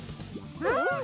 うん！